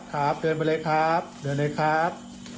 ครับเดินไปเลยครับเชิญเลยครับ